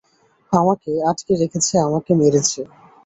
আমাকে আটকে রেখেছে, আমাকে মেরেছে।